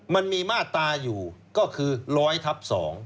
มันมีมาตราอยู่ก็คือ๑๐๐ทับ๒